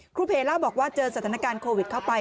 เพล่าบอกว่าเจอสถานการณ์โควิดเข้าไป